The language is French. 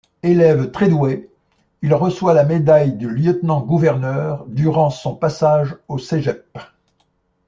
Élève très doué, il reçoit la Médaille du lieutenant-gouverneur durant son passage au cégep.